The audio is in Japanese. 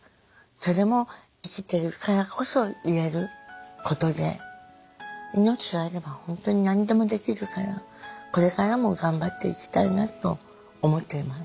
それも生きてるからこそ言えることで命があれば本当に何でもできるからこれからも頑張っていきたいなと思っています。